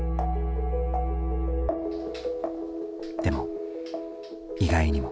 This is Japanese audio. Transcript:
でも意外にも。